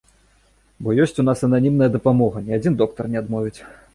Бо ёсць у нас ананімная дапамога, ні адзін доктар не адмовіць.